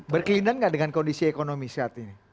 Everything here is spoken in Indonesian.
berkelindang nggak dengan kondisi ekonomi saat ini